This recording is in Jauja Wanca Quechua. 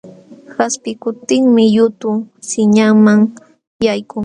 Qaspikuptinmi yutu sihñanman yaykun.